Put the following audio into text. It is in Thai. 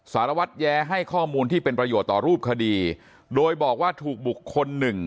สารวัตรแย้ให้ข้อมูลที่เป็นประโยชน์ต่อรูปคดีโดยบอกว่าถูกบุคคลหนึ่ง